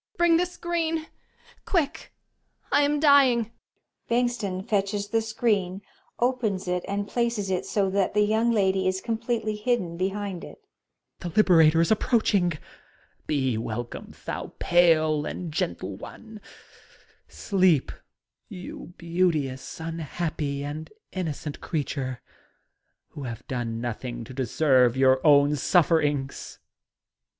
Bring the screen ! Quick ! I am dying ! Bengtsson fetches the screen, opens it and places it so that the Young Ladt is completely hidden behind U. scENEm THE SPOOK SONATA 147 Stxtdent. The liberator is approaching! Be welcoine» thou pale and gentle one! — Sleep, you beauteous, unhappy and innocent creature, who have done nothing to deserve your own sufferings